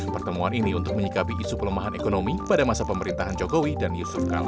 pertemuan ini untuk menyikapi isu pelemahan ekonomi pada masa pemerintahan jokowi dan yusuf kala